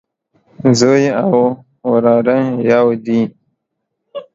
زوی او وراره يودي